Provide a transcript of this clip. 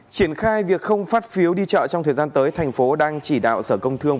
triển khai việc không phát phiếu đi chợ trong thời gian tới thành phố đang chỉ đạo sở công thương